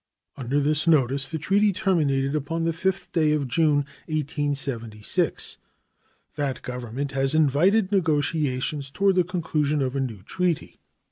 Under this notice the treaty terminated upon the 5th day of June, 1876. That Government has invited negotiations toward the conclusion of a new treaty.